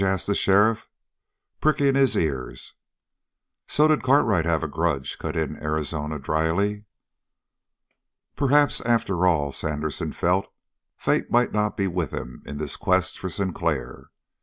asked the sheriff, pricking his ears. "So did Cartwright have a grudge," cut in Arizona dryly. Perhaps after all, Sandersen felt, fate might not be with him in this quest for Sinclair.